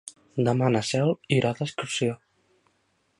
Demà na Cel irà d'excursió.